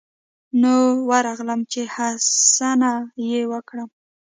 نو ورغلم چې حسنه يې ورکړم.